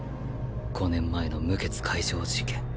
５年前の無血開城事件